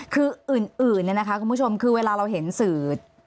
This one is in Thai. คืออื่นคุณผู้ชมคือเวลาเราเห็นสื่อ